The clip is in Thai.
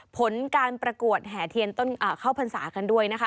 ผลการประกวดแห่เถียนค่าเผเซียกับฺ่าเพนศากันด้วย